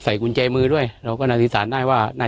ก็ใส่กุญแจมือด้วยเราก็โดนทิศาสตร์ได้ว่าน่า